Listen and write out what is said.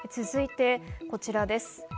続いてこちらです。